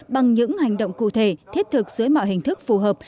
bằng những hành động cụ thể thiết thực dưới mọi hình thức phù hợp